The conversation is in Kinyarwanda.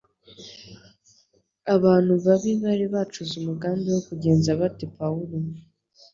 abantu babi bari bacuze umugambi wo kugenza bate pawulo